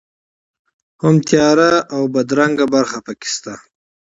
هم تیاره او بدرنګه برخې په کې شته.